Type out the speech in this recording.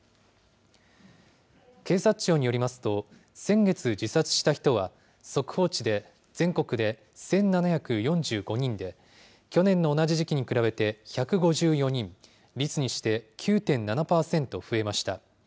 警察庁によりますと、先月自殺した人は、速報値で、全国で１７４５人で、去年の同じ時期に比べて１５４人、率にして９．７％増えました。